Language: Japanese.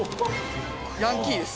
ヤンキーです。